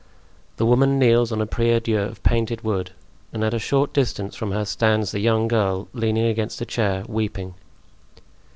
The woman kneels on a prie dieu of painted wood and at a short distance from her stands the young girl, leaning against a chair, weeping.